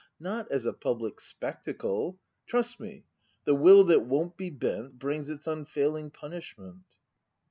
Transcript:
Not as a public spectacle; Trust me, the will that won't be bent Brings its unfailing punishment.